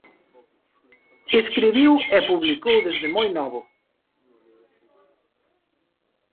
Escribiu e publicou desde moi novo.